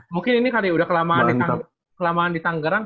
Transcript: mungkin ini kali udah kelamaan di tanggerang